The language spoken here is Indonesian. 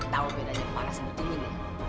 tahu bedanya panas sama dingin